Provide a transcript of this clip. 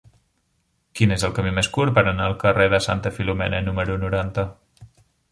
Quin és el camí més curt per anar al carrer de Santa Filomena número noranta?